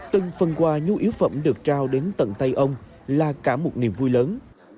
từng phần quà nhu yếu phẩm được trao đến tận tay ông là cả một niềm vui lớn